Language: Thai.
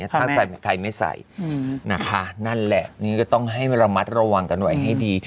ถ้าใส่ผัดไทยไม่ใส่นะคะนั่นแหละนี่ก็ต้องให้ระมัดระวังกันไว้ให้ดี